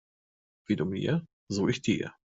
Wie du mir, so ich dir.